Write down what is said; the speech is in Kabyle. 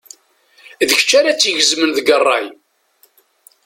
D kečč ara tt-igezmen deg rray.